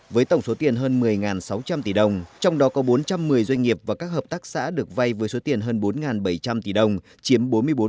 với tổng số tiền hơn một mươi sáu trăm linh tỷ đồng trong đó có bốn trăm một mươi doanh nghiệp và các hợp tác xã được vay với số tiền hơn bốn bảy trăm linh tỷ đồng chiếm bốn mươi bốn